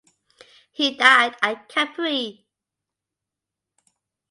He died at Capri.